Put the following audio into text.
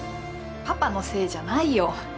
パパのせいじゃないよ。